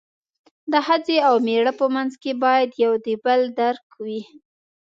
د ښځې او مېړه په منځ کې باید یو د بل درک وي.